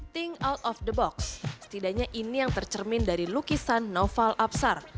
think out of the box setidaknya ini yang tercermin dari lukisan naufal absar